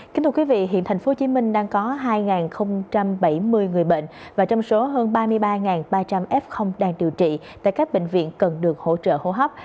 kính thưa quý vị hiện tp hcm đang có hai bảy mươi người bệnh và trong số hơn ba mươi ba ba trăm linh f đang điều trị tại các bệnh viện cần được hỗ trợ hô hấp